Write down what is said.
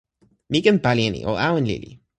mi ken pali e ni. o awen lili.